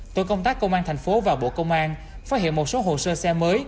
tội công tác công an tp hcm và bộ công an phát hiện một số hồ sơ xe mới